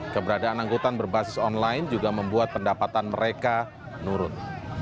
keberadaan anggota berbasis online juga membuat pendapatan mereka nurun